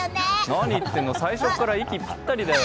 何言ってんの最初から息ピッタリだよ。